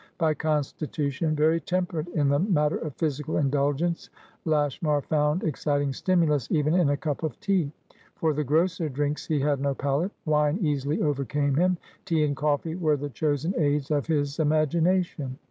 By constitution very temperate in the matter of physical indulgence, Lashmar found exciting stimulus even in a cup of tea. For the grosser drinks he had no palate; wine easily overcame him; tea and coffee were the chosen aids of his imagination.